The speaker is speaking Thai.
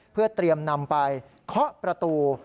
เพื่อเตรียมนำไปเคาะประตู